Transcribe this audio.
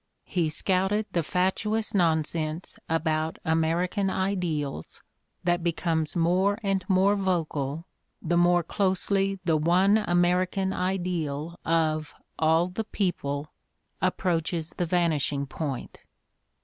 He scouted the fatuous nonsense about "American ideals" that becomes more and more vocal the more closely the one American ideal of "all the people" approaches the vanishing point.